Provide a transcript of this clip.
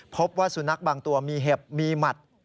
พบว่าสุนัขบางตัวมีเห็บมีหมัด